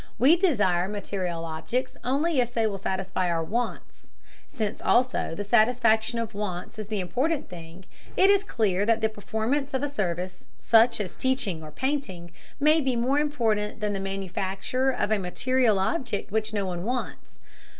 We desire material objects only if they will satisfy our wants. Since, also, the satisfaction of wants is the important thing, it is clear that the performance of a service, such as teaching or painting, may be more important than the manufacture of a material object which no one wants.